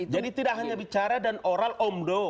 jadi tidak hanya bicara dan oral omdo